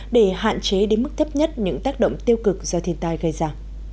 để hạn chế đến mức thấp nhất những tác động tiêu cực do thiên tai gây ra